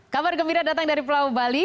kabar gembira datang dari pulau bali